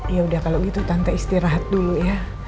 yaudah kalo gitu tante istirahat dulu ya